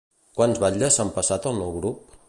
Quants batlles s'han passat al nou grup?